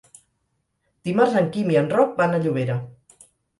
Dimarts en Quim i en Roc van a Llobera.